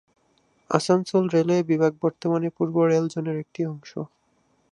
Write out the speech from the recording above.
Asansol railway বিভাগ বর্তমানে পূর্ব রেল জোনের একটি অংশ।